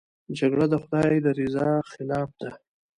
جګړه د خدای د رضا خلاف ده